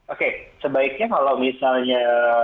oke sebaiknya kalau misalnya